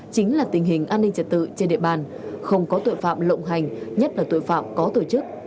chính là tình hình an ninh trật tự trên địa bàn không có tội phạm lộng hành nhất là tội phạm có tổ chức